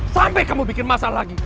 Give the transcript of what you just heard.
sampai kamu bikin masalah lagi